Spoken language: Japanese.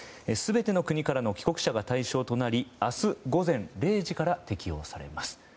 全ての国からの帰国者が対象となり明日午前０時から適用されます。